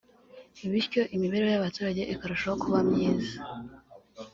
bityo imibereho y’abaturage ikarushaho kuba myiza